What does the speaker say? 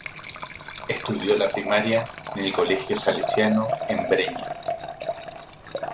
Estudió la primaria en el Colegio Salesiano en Breña.